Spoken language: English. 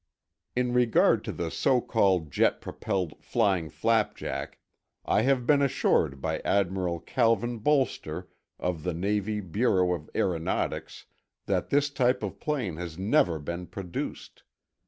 In regard to the so called jet propelled "Flying Flapjack," I have been assured by Admiral Calvin Bolster, of the Navy Bureau of Aeronautics, that this type of plane has never been produced.